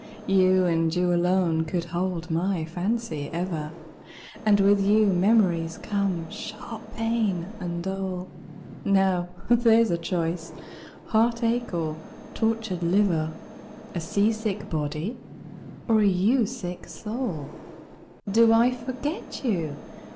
You, you alone could hold my fancy ever! And with you memories come, sharp pain, and dole. Now there's a choice heartache or tortured liver! A sea sick body, or a you sick soul! Do I forget you?